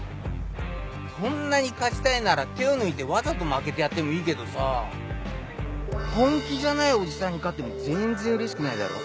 そんなに勝ちたいなら手を抜いてわざと負けてやってもいいけどさ本気じゃないおじさんに勝っても全然うれしくないだろ？